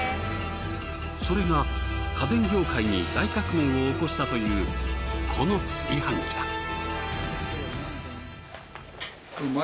それが家電業界に大革命を起こしたというこの炊飯器だ。